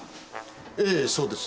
ええそうです。